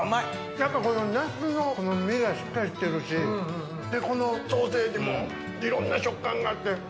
やっぱこのナスの実がしっかりしてるしこのソーセージもいろんな食感があって。